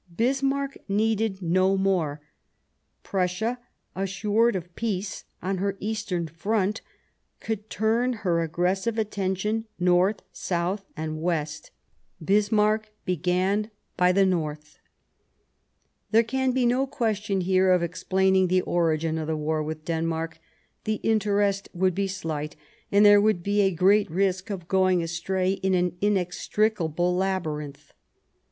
Bismarck needed no more ; Prussia, assured of peace on her eastern front, could turn her aggressive attention north, south, or west. Bismarck began by the north. There can be no question here of explaining the origin of the war with Denmark ; the interest would be slight, and there would be a The War great risk of going astray in an inextric Denmark able labyrinth.